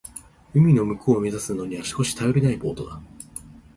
海の向こうを目指すには少し頼りないボートだ。